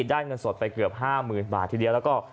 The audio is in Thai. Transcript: ได้เงินสดไปเกือบ๕๐๐๐บาททีเดียวแล้วก็